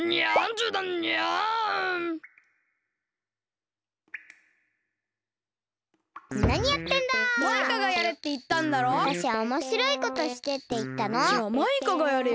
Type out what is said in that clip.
じゃあマイカがやれよ。